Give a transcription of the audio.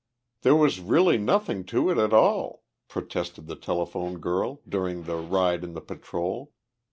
"There was really nothing to it at all," protested the telephone girl, during the ride in the patrol.